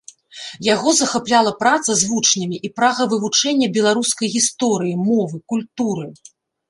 Яго захапляла праца з вучнямі і прага вывучэння беларускай гісторыі, мовы, культуры.